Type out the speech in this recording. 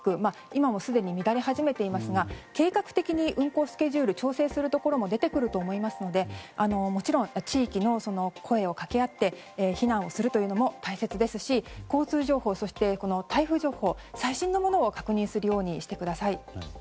今もすでに乱れ始めていますが計画的に運行スケジュールを調整するところも出てくると思いますのでもちろん、地域で声を掛け合って避難をするというのも大切ですし、交通情報そして台風情報最新のものを確認するようにしてください。